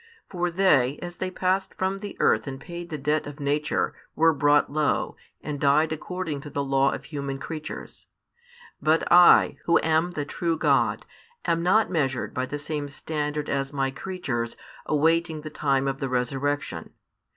For they, as they passed from the earth and paid the debt of nature, were brought low, and died according to the law of human creatures. But I, Who am the true God, am not measured by the same standard as My creatures awaiting the time of the resurrection.